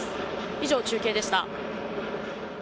以上、中継でした。